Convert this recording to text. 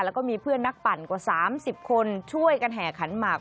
แล้วก็มีเพื่อนนักปั่นกว่า๓๐คนช่วยกันแห่ขันหมาก